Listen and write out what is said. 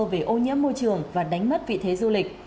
về ô nhiễm môi trường và đánh mất vị thế du lịch